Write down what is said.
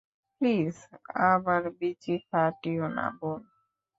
Please আমার বিচি ফাটিও না, বোন।